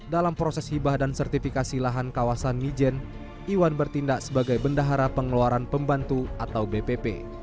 dalam proses hibah dan sertifikasi lahan kawasan mijen iwan bertindak sebagai bendahara pengeluaran pembantu atau bpp